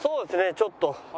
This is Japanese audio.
ちょっと。